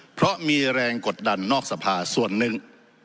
เพราะมีแรงกดดันนอกสภาส่วนหนึ่ง